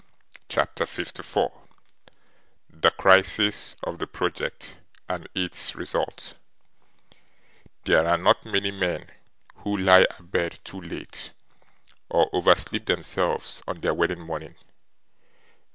CHAPTER 54 The Crisis of the Project and its Result There are not many men who lie abed too late, or oversleep themselves, on their wedding morning.